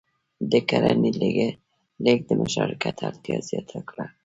د کرنې لېږد د مشارکت اړتیا زیاته کړه.